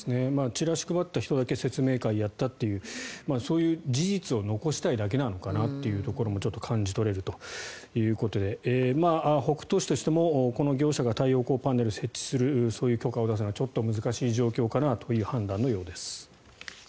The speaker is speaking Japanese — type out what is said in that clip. チラシを配った人だけ説明会をやったというそういう事実を残したいだけなのかなというところも感じ取れるということで北杜市としても、この業者が太陽光パネルを設置するそういう許可を出すのはちょっと難しい状況なのかなという判断のようです。